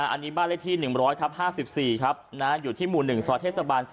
อันนี้บาระที่๑๐๐ทับ๕๔อยู่ที่หมู่๑ซอยเทศบาล๔